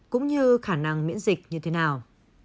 cũng như khả năng miễn dịch như thế nào